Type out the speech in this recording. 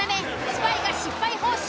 スパイが失敗報酬